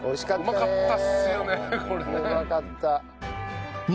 うまかった。